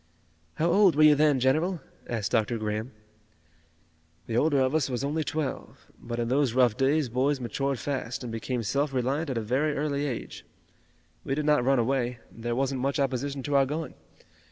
"How old were you two then, General?" asked Dr. Graham. "The older of us was only twelve. But in those rough days boys matured fast and became self reliant at a very early age. We did not run away. There wasn't much opposition to our going.